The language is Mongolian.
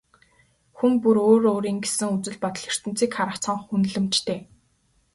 Хүн бүр өөр өөрийн гэсэн үзэл бодол, ертөнцийг харах цонх, үнэлэмжтэй.